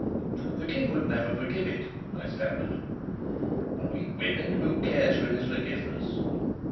"The King would never forgive it," I stammered. "Are we women? Who cares for his forgiveness?"